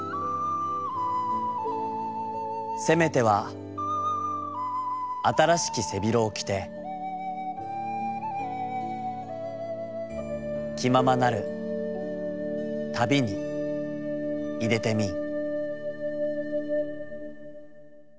「せめては新しき背廣をきてきままなる旅にいでてみん」。